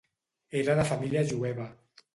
Era de família jueva.